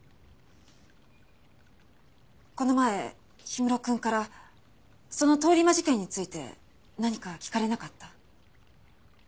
この前氷室くんからその通り魔事件について何か聞かれなかった？